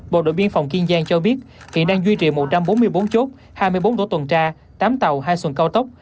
bộ đội biên phòng kiên giang cho biết hiện đang duy trì một trăm bốn mươi bốn chốt hai mươi bốn tổ tuần tra tám tàu hai xuồng cao tốc